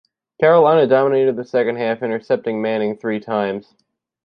Carolina dominated the second half, intercepting Manning three times.